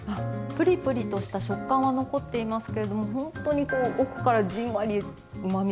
ぷりぷりとした食感は残っていますけれどもほんとにこう奥からじんわりうまみがしみてきます。